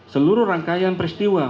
seluruh rangkaian peristiwa